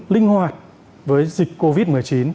linh hoạt với dịch covid một mươi chín